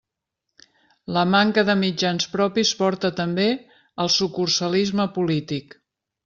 La manca de mitjans propis porta, també, al sucursalisme polític.